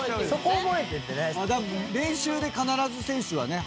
練習で必ず選手はね